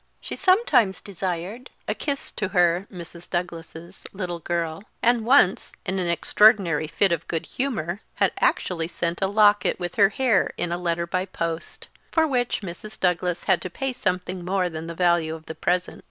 She sometimes desired "a kiss to her (Mrs. Douglas's) little girl," and once, in an extraordinary fit of good humour, had actually sent a locket with her hair in a letter by post, for which Mrs. Douglas had to pay something more than the value of the present.